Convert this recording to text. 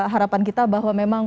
harapan kita bahwa memang